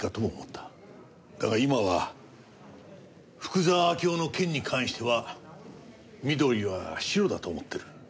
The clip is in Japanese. だが今は福沢明夫の件に関しては美登里はシロだと思っている。